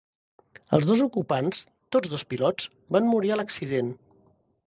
Els dos ocupants, tots dos pilots, van morir a l'accident.